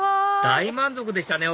大満足でしたね！